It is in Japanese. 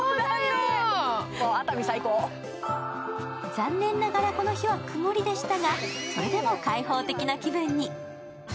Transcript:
残念ながらこの日はくもりでしたが、それでも開放的な気分に。